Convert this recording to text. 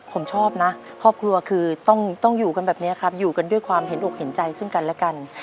ผมชอบนะครอบครัวคือต้องอยู่กันแบบนี้ครับอยู่กันด้วยความเห็นอกเห็นใจซึ่งกันและกัน